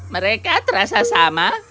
mereka terasa sama